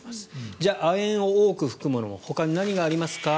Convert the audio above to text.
じゃあ亜鉛を多く含むものほかに何がありますか？